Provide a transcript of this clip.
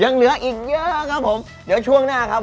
ยังเหลืออีกเยอะครับผมเดี๋ยวช่วงหน้าครับ